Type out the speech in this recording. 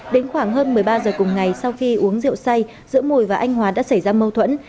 đến khoảng hơn một mươi ba giờ cùng ngày sau khi uống rượu say giữa mùi và anh hóa đã xảy ra mâu thuẫn